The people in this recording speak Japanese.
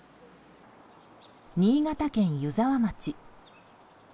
新潟県湯沢町。